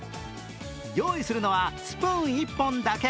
用意するのはスプーン１本だけ。